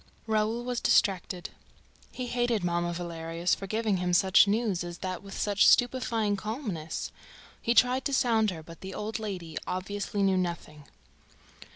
Raoul was distracted. He hated Mamma Valerius for giving him such news as that with such stupefying calmness. He tried to sound her, but the old lady obviously knew nothing.